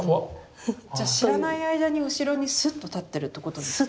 じゃ知らない間に後ろにスッと立ってるってことですか？